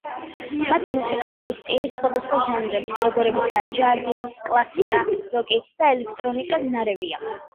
მათი მუსიკალური სტილი სხვადასხვა ჟანრების, როგორებიცაა ჯაზი, კლასიკა, როკი და ელექტრონიკა, ნარევია.